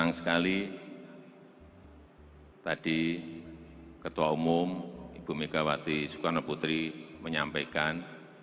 sayang sekali tadi ketua umum ibu megawati soekarno putri menyampaikan